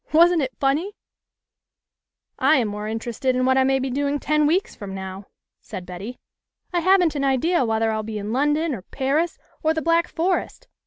Wasn't it funny ?"" I am more interested in what I may be doing ten weeks from now," said Betty. "I haven't an idea whether I'll be in London or Paris or the Black Forest.